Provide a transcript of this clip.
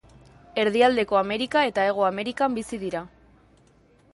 Erdialdeko Amerika eta Hego Amerikan bizi dira.